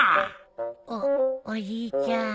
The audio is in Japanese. おおじいちゃん。